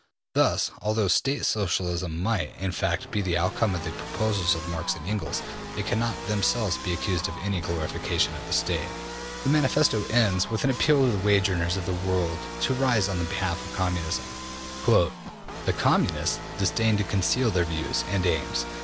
'' Thus, although State Socialism might, in fact, be the outcome of the proposals of Marx and Engels, they cannot themselves be accused of any glorification of the State. The Manifesto ends with an appeal to the wage earners of the world to rise on behalf of Communism. ``The Communists disdain to conceal their views and aims.